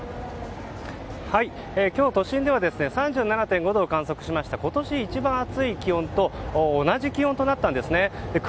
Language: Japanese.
今日、都心では３７．５度を観測しまして今年一番暑い気温と同じ気温となったんですね。